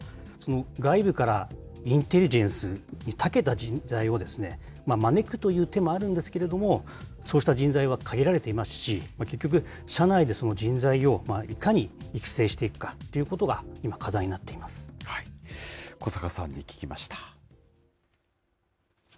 外部からインテリジェンスにたけた人材を招くという手もあるんですけれども、そうした人材は限られていますし、結局、社内でその人材をいかに育成していくかということが今、課題にな小坂さんに聞きました。